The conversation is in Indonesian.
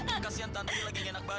maaf kasihan tantri lagi gak enak badan